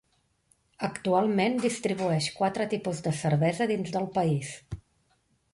Actualment distribueix quatre tipus de cervesa dins del país.